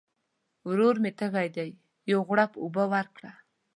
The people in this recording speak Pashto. ورور مي تږی دی ، یو غوړپ اوبه ورکړه !